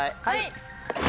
はい。